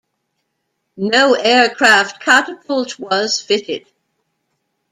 No aircraft catapult was fitted.